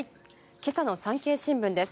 今朝の産経新聞です。